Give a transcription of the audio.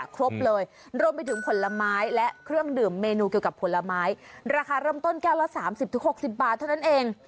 ครบเลยรวมไปถึงผลไม้และเครื่องดื่มเมนูเกี่ยวกับผลไม้ราคาเริ่มต้นแก้วละ๓๐๖๐บาทเท่านั้นเอง